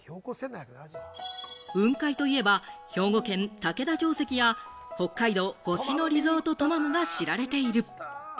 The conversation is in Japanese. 雲海といえば兵庫県の竹田城跡や北海道・星野リゾートトマムが知られている。